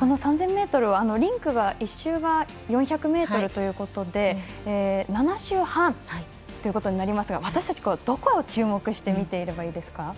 ３０００ｍはリンクが１周が４００ｍということで７周半ということになりますが私たち、どこを注目して見ていればいいですか？